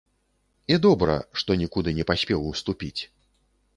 І добра, што нікуды не паспеў уступіць.